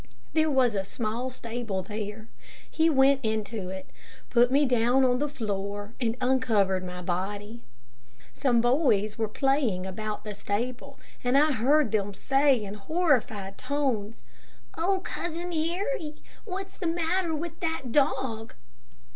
There was a small stable there. He went into it, put me down on the floor and uncovered my body. Some boys were playing about the stable, and I heard them say, in horrified tones, "Oh, Cousin Harry, what is the matter with that dog?"